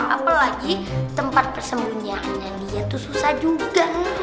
apalagi tempat persembunyiannya dia tuh susah juga